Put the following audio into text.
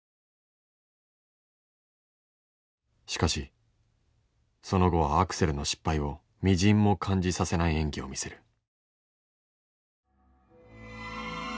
しかしその後はアクセルの失敗をみじんも感じさせない演技を見せる。